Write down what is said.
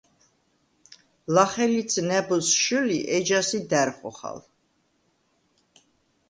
ლახე ლიც ნა̈ბოზს შჷლი, ეჯასი და̈რ ხოხალ.